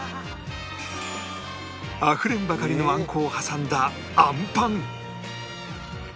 あふれんばかりのあんこを挟んだあんぱん